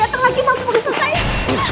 biar terlagi mampu diselesaikan